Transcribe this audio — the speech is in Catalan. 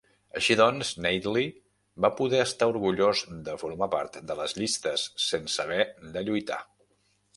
Així doncs, Nately va poder estar orgullós de formar part de les llistes sense haver de lluitar.